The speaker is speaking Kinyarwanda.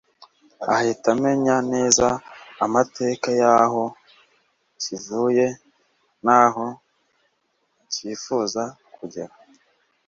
ahita amenya neza amateka y’aho kivuye n’aho kifuza kugera